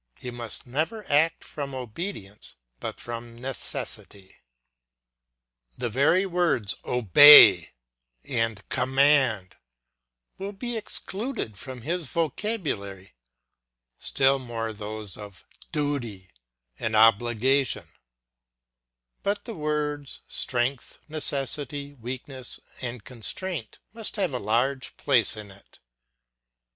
] he must never act from obedience, but from necessity. The very words OBEY and COMMAND will be excluded from his vocabulary, still more those of DUTY and OBLIGATION; but the words strength, necessity, weakness, and constraint must have a large place in it.